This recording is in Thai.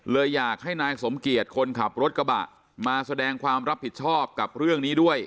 อยากให้นายสมเกียจคนขับรถกระบะมาแสดงความรับผิดชอบกับเรื่องนี้ด้วย